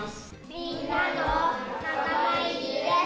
みんなの仲間入りです。